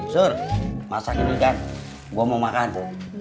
suruh masakin bukan gua mau makan